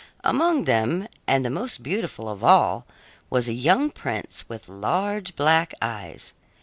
Among them, and the most beautiful of all, was a young prince with large, black eyes.